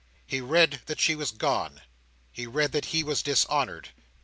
He read that she was gone. He read that he was dishonoured.